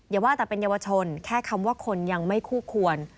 อย่าว่าแต่เป็นเยาวชนแค่คำว่าคนยังไม่คู่ควร